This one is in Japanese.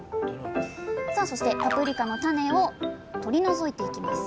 さあそしてパプリカの種を取り除いていきます。